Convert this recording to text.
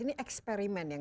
ini eksperimen ya